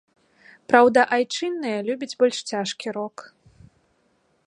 Праўда, айчынныя любяць больш цяжкі рок.